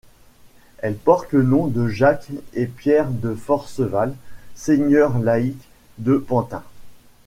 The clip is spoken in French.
Elle porte le nom de Jacques et Pierre de Forceval, seigneurs laïcs de Pantin.